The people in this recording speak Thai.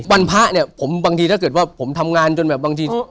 วันพระเนี่ยผมบางทีถ้าเกิดว่าผมทำงานจนแบบบางที